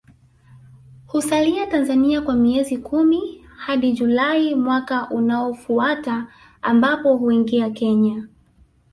Husalia Tanzania kwa miezi kumi hadi Julai mwaka unaofuata ambapo huingia Kenya